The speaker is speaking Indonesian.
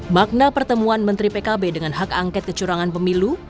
makna pertemuan menteri pkb dengan hak angket kecurangan pemilu